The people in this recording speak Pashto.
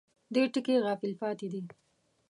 دې ټکي غافل پاتې دي.